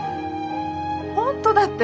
本当だって。